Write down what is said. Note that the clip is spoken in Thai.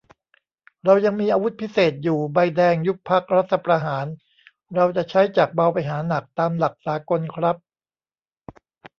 เรายังมีอาวุธพิเศษอยู่ ใบแดง ยุบพรรค รัฐประหาร เราจะใช้จากเบาไปหาหนัก ตามหลักสากลครับ